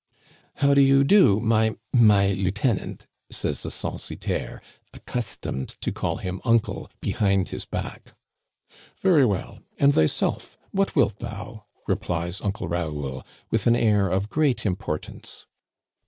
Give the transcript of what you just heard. How do you do, my — my — lieutenant ?" says the censitaire^ accustomed to call him uncle behind his back. "Very well. And thyself? What wilt thou? "re plies Uncle Raoul, with an air of great importance.